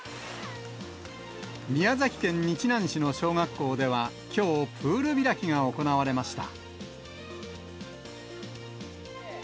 宮崎県日南市の小学校では、きょう、プール開きが行われました。